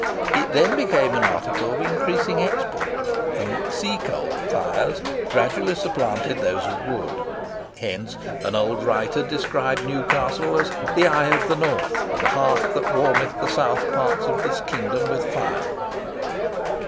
It then became an article of increasing export, and "seacoal" fires gradually supplanted those of wood. Hence an old writer described Newcastle as "the Eye of the North, and the Hearth that warmeth the South parts of this kingdom with Fire."